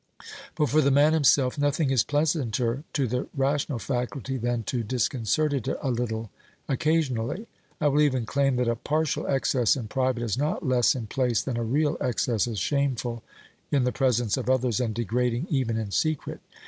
But for the man himself nothing is pleasanter to the rational faculty than to disconcert it a little occasionally. I will even claim that a partial excess in private is not less in place than a real excess is shameful in the presence of others and degrading even in secret.